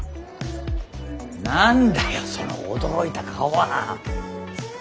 何だよその驚いた顔は。